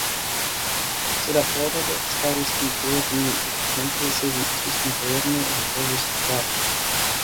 Se la pordo starus inter ni; ekzemple, se vi estus interne, vi povus frapi.